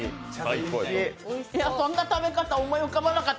そんな食べ方、思い浮かばかなった。